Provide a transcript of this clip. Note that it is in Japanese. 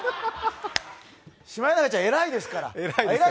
シマエナガちゃん偉いですから。